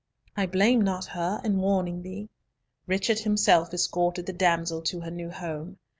I blame not her in warning thee." Richard himself escorted the damsel to her new home.